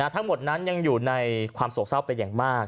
ทั้งหมดนั้นยังอยู่ในความโศกเศร้าเป็นอย่างมาก